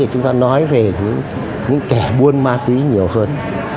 chúng ta nói về những kẻ buôn ma túy nhiều hơn